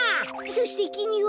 そしてきみは。